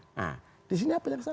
nah disini apa yang salah